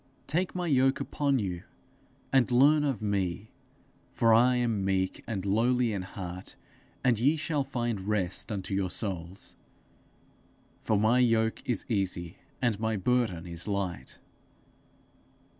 Take my yoke upon you, and learn of me, for I am meek and lowly in heart; and ye shall find rest unto your souls. For my yoke is easy, and my burden is light.'